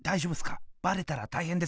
バレたら大へんですよ。